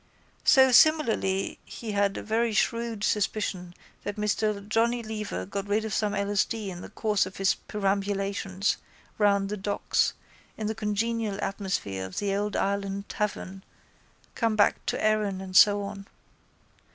So similarly he had a very shrewd suspicion that Mr Johnny Lever got rid of some £. s. d. in the course of his perambulations round the docks in the congenial atmosphere of the Old Ireland tavern, come back to Erin and so on.